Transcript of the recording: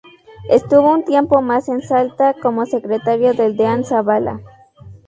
Estuvo un tiempo más en Salta, como secretario del Deán Zavala.